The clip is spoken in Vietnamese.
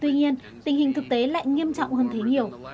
tuy nhiên tình hình thực tế lại nghiêm trọng hơn thế nhiều